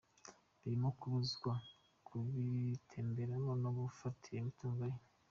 Birimo kubuzwa kubitembereramo no gufatira imitungo ye.